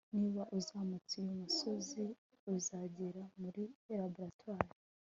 niba uzamutse uyu musozi, uzagera muri laboratoire